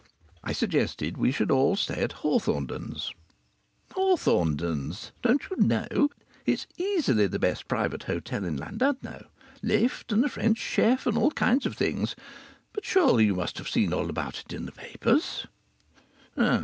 I suggested we should all stay at Hawthornden's ... Hawthornden's? Don't you know it's easily the best private hotel in Llandudno. Lift and a French chef and all kinds of things; but surely you must have seen all about it in the papers!